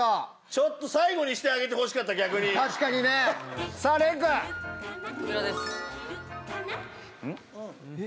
ちょっと最後にしてあげてほ確かにね。こちらです。